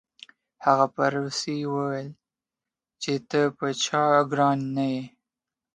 هغه په روسي وویل چې ته په چا ګران نه یې